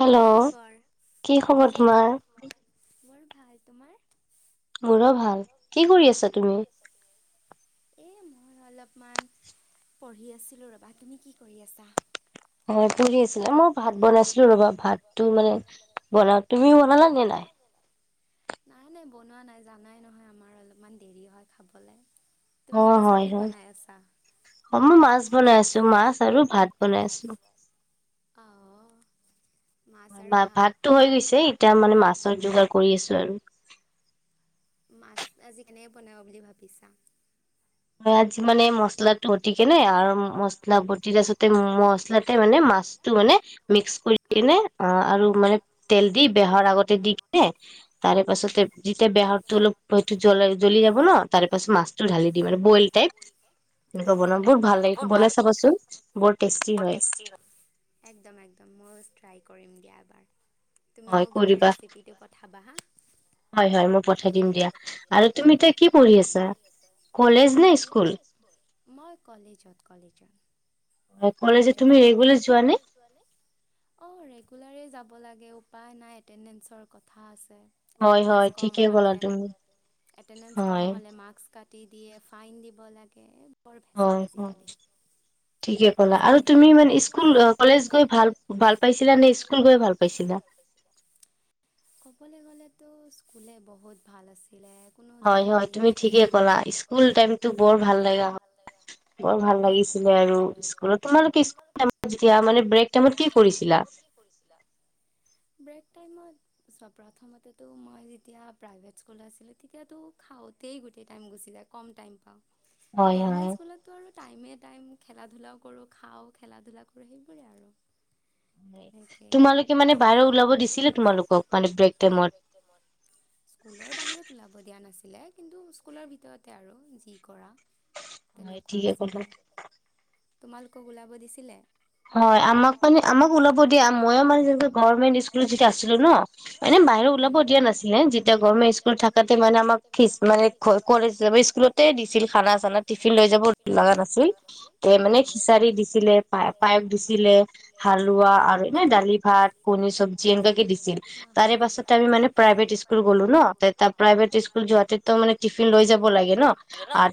Hello কি খবৰ তোমাৰ? ভাল, তোমাৰ? মোৰো ভাল, কি কৰি আছা তুমি? এ মই অলপমান পঢ়ি আছিলো ৰবা, তুমি কি কৰি আছা? হয় ফুৰি আছিলে, মই ভাত বনাই আছ ৰ'বা ভাতটো মানে বনা, তুমিও বনালা নে নাই? নাই, নাই, বনোৱা নাই, জানাই নহয় আমাৰ অলপমান দেৰি হয় খাবলৈ। অ হয়, হয়, মই মাছ বনাই আছো, মাছ আৰু ভাত বনাই আছো। মা-ভাতটো হৈ গৈছে, এতিয়া মানে মাছৰ যোগাৰ কৰি আছো আৰু। মাছ আজি কেনেকে বনাব বুলি ভাবিছা? আজি মানে মছলাটো বটিকেনে আৰু মছলা বটি ম-মচলাতে মানে মাছটো মানে মিক্স কৰি কেনে আ আৰু মানে তেল দি বেহৰ আগতে দিকেনে তাৰে পাছতে যেতিয়া বেহৰ তো অলপ এইটো জ্ব-জ্বলি যাব ন, তাৰে পাছত মাছটো ঢালি মানে বইল টাইপ, এনেকে বনাম বহুত ভাল লাগে, বনাই চাবচোন বৰ টেষ্টি হয়। কৰিম দিয়া এবাৰ। হয় কৰিবা, হয়, হয়, মই পঠাই দিম দিয়া। আৰু তুমি এতিয়া কি পঢ়ি আছা, কলেজ নে স্কুল? মই কলেজত-কলেজত। কলেজে তুমি ৰেগুলাৰ যোৱা নে? অ ৰেগুলাৰ যাব লাগে উপায় নাই, এটেণ্ডেঞ্চৰ কথা আছে। হয়, হয়, ঠিকেই কলা তুম এটেণ্ডেঞ্চ কম হলে মাৰ্ক্স কা তেতিয়া ফাইন দিব লাগে হয়, হয়, ঠিকে বলা আৰু তুমি মানে স্কুল কলেজ গৈ ভাল-ভাল পাইছিলা নে, স্কুল গৈ ভাল পাইছিলা? ক'বলৈ গ'লেতো স্কুলে বহুত ভাল আচি হয়, হয়, তুমি ঠিকে ক'লা, স্কুল টাইমটো বৰ ভাল লগা, বৰ ভাল লাগিছিলে আৰু। স্কুলত, তোমালোকে স্কুল টাইমত যেতিয়া মানে, ব্ৰেক টাইমত কি কৰিছিলা? প্ৰথমতেতো মই যেতিয়া প্ৰাইভেট স্কুলত আছিলোঁ, তেতিয়াতো খাওঁতেই গোটেই টাইম গুচি যায়, কম টাইম পাওঁ। গৰ্মেন্ত স্কুলততো আৰু টাইমে টাইম। খেলা-ধূলাও কৰোঁ, খাওঁ, খেলা ধূলা কৰোঁ সেইবোৰে আৰু। তেনেকে, তোমালোকে মানে বাহিৰত ওলাব দিছিলে তোমালোকক, [unintelligible] স্কুলৰ বাহিৰত ওলাব দিয়া নাছিল কিন্তু স্কুলৰ ভিতৰতে আৰু যি কৰা। তেনেকুৱা আছিলে। তোমালোকক ওলাব দিছিলে। হয় আমাক মানে, আমাক ওলাব দিয়া ময়ো মানে, গভমেন্ট স্কুলত যেতিয়া আছিলো, ন মানে বাহিৰ ওলাব দিয়া নাছিলে যেতিয়া গভমেন্ট স্কুলত থাকতে মানে আমাক ফি মানে কলেজ স্কুলতে দিছিল খানা চানা টিফিন লৈ যাব লগা নাছিল। মানে খিচাৰি দিছিলে পায় পায়স দিছিলে হালোৱা আৰু এনে দালি ভাত কণী চব্জি এনেুৱাকে দিছিল। তাৰে পাছত আমি মানে প্ৰাইভেট স্কুল গলো ন, প্ৰাইভেট স্কুল যোৱাতে তো মানে টিফিন লৈ যাব লাগে ন,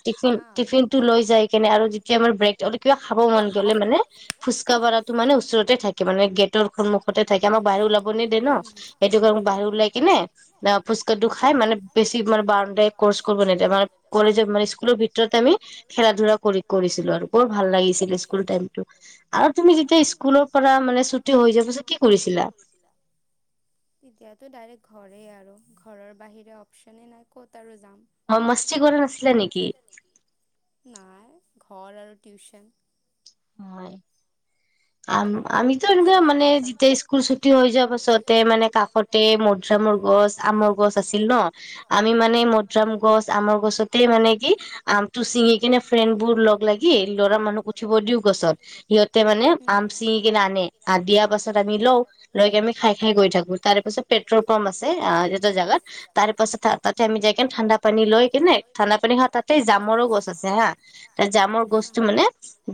টিফিন টিফিন টো লৈ যাই কেনে আৰু যেতিয়া আমাৰ ব্ৰেক সিহঁত কিবা খাব মন গলে মানে ফুচকা ৱালাটো মানে মানে ওচৰতে থাকে, মানে গেটৰ সন্মুখতে থাকে, আমাক বাহিৰ ওলাব নিদিয়ে ন, সেইটো কাৰণে বাহিৰ ওলাই কিনে অ ফুচকা টো খাই মানে বেছি বাৰণ্ড কৰ্চ কৰিব নিদিয়ে। আমাৰ কলেজৰ মানে স্কুলৰ ভিতৰতে আমি খেলা-ধূলা কৰি কৰিছিলো আৰু। বৰ ভাল লাগিছিল স্কুল টাইমতটো। [unintelligible] ঘৰে আৰু ঘৰৰ বাহিৰে অপচনে নাই ক'ত আৰু তুমি মস্তি কৰা নাছিলা নেকি। [unintelligible] ঘৰ আৰু টিউচন। মই। আমিতো এনেকুৱা মানে, যেতিয়া স্কুল ছুটি হৈ যোৱা পাছতে মানে, কাষতে মধুৰামৰ গছ আমৰ গছ আছিল ন আমি মানে মধৰাম গছ আমৰ গছতে মানে, কি আমটো ছিঙি কিনে ফ্ৰেণ্ড বোৰ লগ লাগি লৰা মানুহক উঠিব দিওঁ গছত সিহঁতে মানে আম চিঙি কিনে আনে, আ দিয়া পাছত আমি লওঁ, লৈ কে আমি খাই খাই গৈ থাকো। তাৰ পাছত পেট্ৰল পাম্প আছে আহ এটা জাগাত, তাৰ পাছত তাতে আমি যাই কিনে ঠাণ্ডা পানী লৈ কিনে ঠাণ্ডা পানী খা তাতে জামৰো গছ আছে হা, ত জামৰ গছটো মানে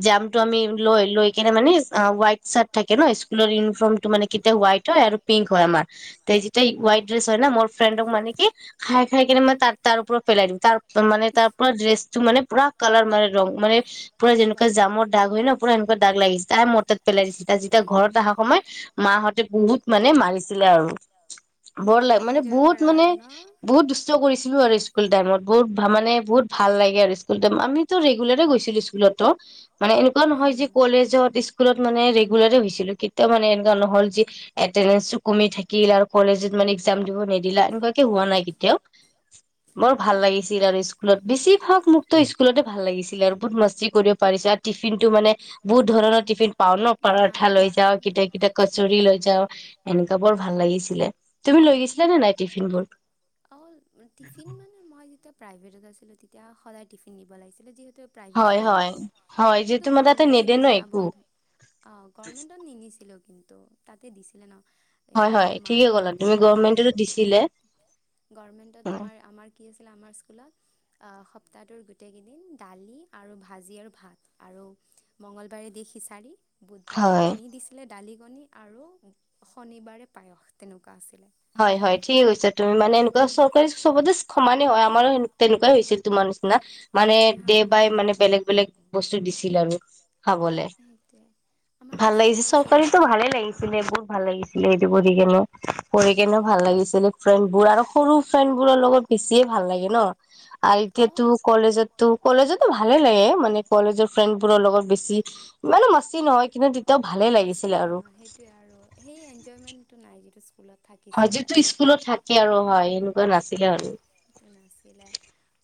জাম টো আমি লৈ লৈ কিনে মানে অ হোৱাইট চাৰ্ট থাকে ন স্কুলৰ ইউনিফৰ্ম টো মানে কেতিয়া হোৱাইট হয় আৰু পিংক হয় আাৰ তে যেতিয়াই হোৱাইট ড্ৰেছ হয় ন মোৰ ফ্ৰেণ্ডক মান কি খাই খাই কিনে মই তাৰ ওপৰত পেলাই দি তা মানে তাৰ পৰা ড্ৰেছটো মানে পুৰা কালাৰ মানে ৰং মানে পুৰা যেনেকুৱা জামৰ [unintelligible] ন পুৰা এনেকুৱা দাগ লাগিছে তাই মো তাত পেলাই দিছে, তাৰ যেতিয়া ঘৰত অহা সময় মাহঁতে বহুত মানে মাৰিছিলে আৰু। বৰ মানে বহুত মানে বহুত দুষ্ট কৰিছিল ছিলো আৰু স্কুল টাইমত বহুত মানে বহুত ভাল লাগে আৰু স্কুল টাইম আমিতো ৰেগুলাৰ গৈছিলো স্কুলতো মানে এনেকুৱা নহয় যে কলেজত স্কুলত মানে ৰেগুলাৰে গৈছিলো কেতিয়াও মানে এনকুৱা নহ'ল যি এটেন্দেন্সটো কমি থাকি আৰু কলেজত মানে এক্সাম দিব নিদিলে এনকুৱাকে হোৱা নাই কেতিয়াও। বৰ ভাল লাগিছিল আৰু স্কুলত বেছিভাগ মোকতো স্কুলতে ভাল লাগিছিলে আৰু বহুত মাস্তি কৰিব পাৰিছ টিফিন টো মানে বহুত ধৰণৰ টিফিন পাও ন পাৰঠা লৈ যাও কেতিয়া কেতিয়া কচুৰি লৈ যাওঁ এনকুৱা বৰ ভাল লাগিছিলে। তুমি লৈ গৈছিলা নে নাই টিফিন বোৰ। মানে মই যে তিয়া প্ৰাইভেটত আছিলো তেতিয়া সদায় টিফিন নিব লাগিছিলে যিহে প্ৰাইভেটত নিদিয়ে। কিন্তু গৰমেণ্টত নিয়া বন্ধ অ' গৰমেণ্টত নিনিছিলোঁ কিন্তু। তাতে দিছিলে ন? হয় হয়, ঠিকে ক'লা তুমি গৰ্মেন্টটো দিছিলে কি আছিল আমাৰ স্কুলত, আ সপ্তাহটোৰ গোটেইকিদিন দালি আৰু ভাজি আৰু ভাত আৰু মঙ্গলবাৰে দি খিচাৰী বুধবাৰে কণী দিছিলে, দালি শনি আৰু শনিবাৰে পায়স, তেনেকুৱা আছিলে। হয় হয়। কি হৈছে তুমি মানে এনেকুৱা চৰকাৰী চবতে চ সমানেই হয় আমাৰো হেন তেনেকুৱাই হৈছে তোমাৰ নিচিনা মানে ডে বাই মানে বেলেগ বেলেগ বস্তু দিছিল আৰু। খাবলে, ভাল লাগিছে, চৰকাৰীতো ভালে লাগিছিলে বহুত ভাল লাগিছিল এইটো [unintelligible] কৰি কেনে ভাল লাগিছিল ফ্ৰেণ্ড বোৰ আৰু কৰো ফ্ৰেণ্ড বোৰৰ লগত বেছিয়ে ভাল লাগে ন আৰু এতিয়াতো কলেজতো কলেজতো ভালেই লাগে মানে কলেজৰ ফ্ৰেণ্ড বোৰৰ লগত বেছি মাস্তি নহয় সেইটোয়ে আৰু, সেই এনজয়মেনটো নাই যিটো স্ক হয় যিটো স্কুলত থাকে আৰু হয় সেনেকুৱা নাছিলে আৰু। নাছিলে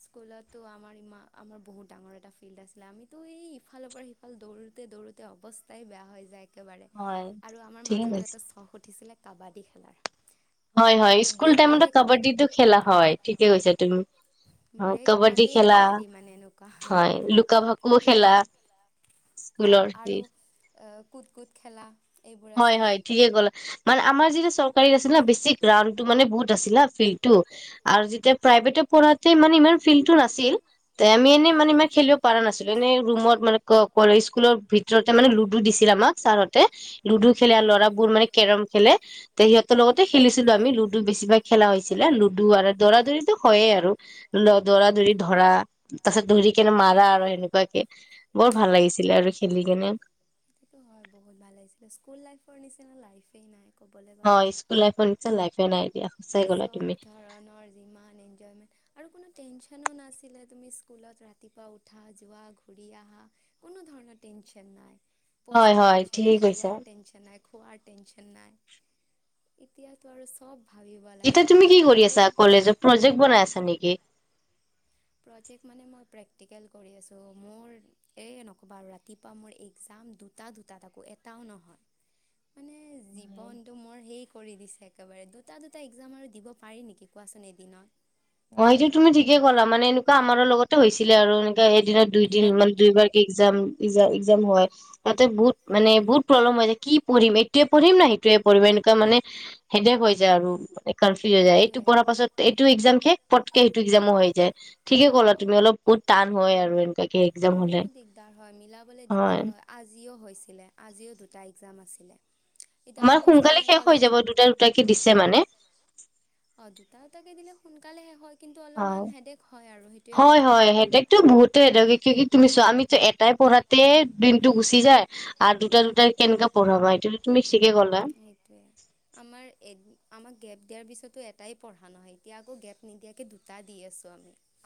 স্কুলতো আমাৰ ই আমাৰ বহুত ডাঙৰ এটা ফিল্ড আছিলে আমিতো এই ইফালৰ পৰা সিফাল দৌৰোঁতে দৌৰোঁতে অৱস্থাই বেয়া হৈ যায়। একেবাৰে আৰু আমাৰ মাজতে এটা চখ উঠিছিলে কাবাডী খেলাৰ। হয় হয় স্কুল টাইমতো কাবাডীতো খেলা হয়। ঠিকে কৈছা তুমি। অ' কাবাডী খেলা, হয় লুকা ভাকুও খেলা। অ' আৰু কুট কুট খেলা। হয় হয় ঠিকে ক'লে মানে আমাৰ যিটো চৰকাৰী আছিলা বেছি গ্ৰাউণ্ডটো মানে বহুত আছিলা ফিল্ড টো আৰু যেতিয়া প্ৰাইভেট পঢ়াতে মানে ইমান ফিল্ডটো নাছিল আমি এনেই মানে ইমান খেলিব পাৰা নাছিলো এনে ৰুমত মানে ক কলেজখনৰ ভিতৰতে মানে লুডু দিছিল আমাক ছাৰতে লুডু খেলে আৰু ল'ৰাবোৰ মানে কেৰম খেলে। তে সিহঁতৰ লগতে খেলিছিলো আমি লুডু বেছিভাগ খেলা হৈছিলে লুডু আৰু দৌৰা দৌৰোঁতে হয়ে আৰু দৌৰা দৌৰি ধৰা তাৰ পিছত ধৰি কেনে মাৰা আৰু সেনেকুৱাকে, বৰ ভাল লাগিছিলে আৰু খেলি কিনে। সেইটোতো হয় বহুত ভাল আছিলে, স্কুল লাইফৰ নিচিনা লাইফেই নাই। হয় স্কুল লাইফইৰ নিচিনা লাইফে নাই। [unintelligible] চব ধৰণৰ যিমান এনজয়মেন্ট আৰু কোনো টেনচনো না আছিলে তুমি স্কুলত ৰাতিপুৱা উঠা যোৱা ঘূৰি আহা কোনো ধৰণৰ টেনচন নাই। পইচা টেনচন নাই যোৱাৰ টেনচন নাই খোৱাৰ টেনচন নাই, এতিয়াতো আৰু চব ভাবিব এতিয়া তুমি কি কৰি আছা কলেজত প্ৰজেক্ট বনাই আছা নেকি? প্ৰজেক্ট মানে মই প্ৰেক্টিকেল কৰি আছো মোৰ, এই নক'বা আৰু ৰাতিপুৱা মোৰ এক্সাম দুটা- দুটা তাকো এটাও নহয়। মানে জীৱনটো মোৰ সেই কৰি দিছে একেবাৰে দুটা- দুটা এক্মাম আৰু দিব পাৰি নেকি কোৱাচোন এদিনত। অ' সেইটো তুমি ঠিকে ক'লা মানে এনেকুৱা আমৰ লগতে হৈছিলে আৰু এনেকুৱা হে দিনত দুই দিন মানে দুইবাৰ কে এক্সাম। [unintelligible] হয় তাতে বহুত মানে বহুত প্ৰব্লেম হৈ কি পঢ়িম এইটোৱেই পঢ়িম ন সেইটোৱেই পঢ়িম এনেকুৱা মানে হেডেক হৈ যায় আৰু। কনফিউজ হৈ যায়, এইটো পঢ়াৰ পাছত এইটো একজাম শেষ। পতকে হিটো একজামো হয় যায়। ঠিকে কলা তুমি অলপ বহুত তান হয় আৰু। বহুত দিগদাৰ হয় মিলাবলে দিগদাৰ হয় আজিও হৈছিলে, আজিও দুটা একজাম আছিলে। আমাৰ সোনকালে শেষ হৈ যাব, দুটা দুটাকে দিছে মানে। সোনকালে শেষ হয়। অ' হয় হয়, হেডেকটো বহুতে কিয় কি তুমি চোৱা আমিতো এটাই পঢ়াতে দিনটো গুচি যায় আৰু দুটা দুটাই কেনেকে পঢ়াবা। এইটো তুমি আমাৰ এ আমাক গেপ দিয়াৰ পিছতো এটাই পঢ়া নহয়। এতিয়া আকৌ গেপ নিদিয়াকে দুটা দি আছ।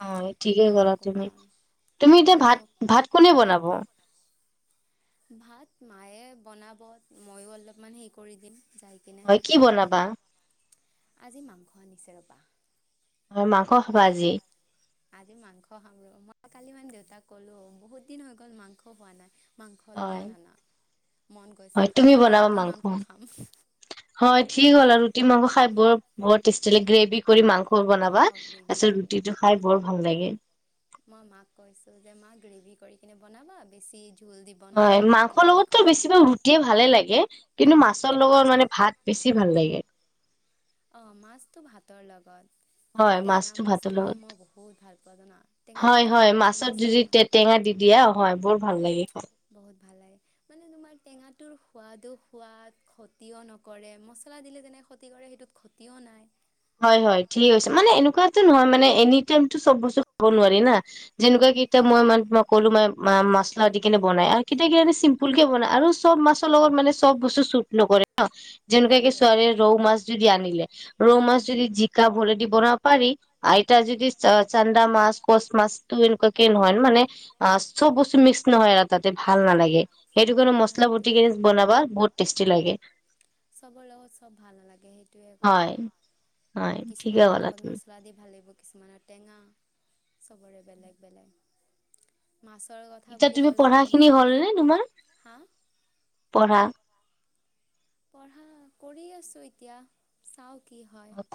অ' ঠিকেই কৰা তুমি, তুমি এতিয়া ভাত-ভাত কোনে বনাব? ভাত মায়ে বনাব ময়ো অলপমান হেৰি কৰি দিম। হয়। কি বনাবা? আজি মাংস আনিছে ৰবা। হয়, মাংস খাবা আজি? আজি মাংস খাম আৰু মই কালি মানে দেউতাক ক'লো বহুত দিন হৈ গ'ল মাংস খোৱা নাই। মাংস অলপমান আনা মন গৈছে খাবলে ৰুটি মাংস খাম। ঠিক হ'ল আৰু ৰুটি মাংস খাই ব বহুত টেষ্টি লাগে গ্ৰেভি কৰি মাংস। অ গ্ৰেভি কৰি, মই মাক কৈছো যে মা গ্ৰেভি কৰি হেনে বনাবা বেছি হয় মাংসৰ লগততো বেছিভাগ ৰুটিয়ে ভালে লাগে কিন্তু মাছৰ লগত মানে ভাত বেছি ভাল লাগে। অ মাছতো ভাতৰ লগত আৰু টেঙা মাছতটোও মই বহুত ভাল হয় হয় মাছত যদি টেঙা দি দিয়া হয় বৰ ভাল লাগে। বহুত ভাল লাগে মানে তোমাৰ টেঙাটোৰ সোৱাদো সোৱাদ ক্ষতিও নকৰে মচলা দিলে তেনেকে ক্ষতি কৰে সেইটোত ক্ষতিও নাই। হয় হয় ঠিক আছে মানে এনেকুৱা সেটো নহয় মানে এনি টাইমতটো চব বস্তু খাব নোৱাৰি না যেনেকুৱা কিতা এতিয়া মই মান মই ক'লো মা মাম মা মছলা দিকিনে বনাই আৰু কেতিয়াবা কে চিম্পুল কে বনাই আৰু চব মাছৰ লগত মানে চব বস্তু চুট নকৰে। অ যেনেকুৱা [unintelligible] ৰৌ মাছ যদি আনিলে। ৰৌমাছ যদি জিকা ভুলেদি বনাব পাৰি আইতাৰ যদি চান্দা মাছ কচ মাছটো এনেকুৱাকে নহয় মানে অ চব বস্তু মিক্স নহয় আৰু তাতে ভাল নালাগে। সেইটো কাৰণে মচলা বতি কিনি বনাবা বহুত টেষ্টি লাগে হয়। হয় ঠিকে ক'লা তুমি কিছুমানৰ টেঙা, চবৰে বেলেগ বেলেগ মাছৰ কথা বুলি ক'লে তো মোৰ খালি হা পঢ়া পঢ়া কৰি আছো এতিয়া চাও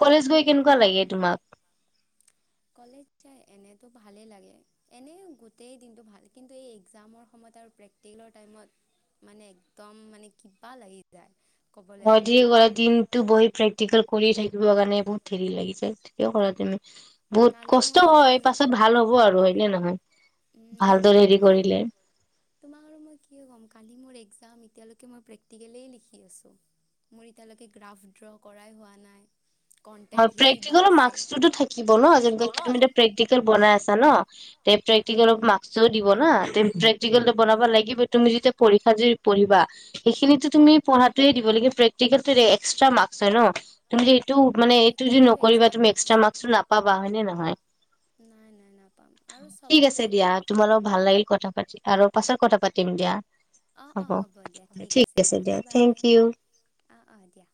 কলেজ গৈ কেনেকুৱা লাগে? তোমাক কলেজ চাই এনেতো ভালেই লাগে এনেই গোটেই দিনটো ভাল কিন্তু এই এক্সামৰ সময়ত আৰু প্ৰেক্টিকেলৰ টাইমত মানে একদম মানে কিবা লাগি যায়। অধি‌হোৱাড় দিনতটো বহি প্ৰে প্ৰেকটিকেল কৰি থাকিব কাৰণে বহুত হেৰি লাগিছে থিকে কৰা তুমি বহুত কষ্ট হয় পাছত ভাল হ'ব আৰু। নে নহয় উম সেইটোৱে কি তোমাক আৰু মই কি ক'ম কালি মোৰ একজ কাম এতিয়ালেকে মই প্ৰেক্টিকেলেই লিখি আছোঁ মোৰ এতিয়ালেকে গ্ৰাফ ড্ৰ কৰাই হোৱা নাই হয় প্ৰেক্টিকেলৰ মাস্কটোতো থাকিব‌ ন আজি গৈ তুমি পেক্টিকেল বনাই আছা ন তে প্ৰেক্টিকেলত মাস্কটো দিব ব না ডেন প্ৰেক্টিকেলটো বনাব লাগিব তুমি যেতিয়া পৰীক্ষা যে পঢ়িবা সেইখিনিতো তুমি পঢাটোয়ে দিব লাগে প্ৰেকটিকেলটো এক্স্ৰটা মাৰ্ক হয় ন তুমি যদি সেটো মানে এইটো যদি নকৰিবা তুমি এক্সটা মাৰ্কটো নাপাবা হয়নে নহয় ঠিক আছে দিয়া তোমা লগত ভাল লাগিল কথা পাতি আৰু পাছত কথা পাতিম দিয়া অ অ হ'ব দিয়া ঠিক আছে দিয়া বাই বাই অ অ দিয়া